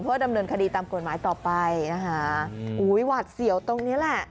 ดำเนินคดีตามกฎหมายต่อไปนะคะอุ้ยหวัดเสี่ยวตรงเนี้ยแหละ